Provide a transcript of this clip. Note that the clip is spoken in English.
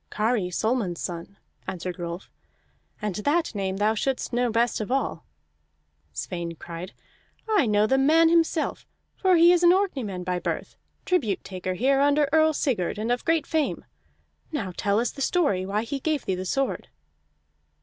"Kari Solmund's son," answered Rolf, "and that name thou shouldst know best of all." Sweyn cried: "I know the man himself, for he is an Orkneyman by birth, tribute taker here under Earl Sigurd, and of great fame. Now tell us the story why he gave thee the sword."